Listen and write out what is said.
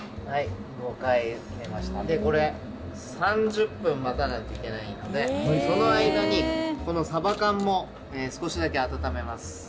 １、５、はい、５回入れましたので、これ、３０分待たないといけないので、この間に、このサバ缶も少しだけ温めます。